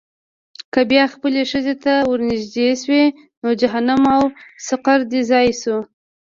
که بیا خپلې ښځې ته ورنېږدې شوې، نو جهنم او سقر دې ځای شو.